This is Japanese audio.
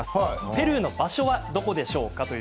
ペルーの場所はどこでしょうか？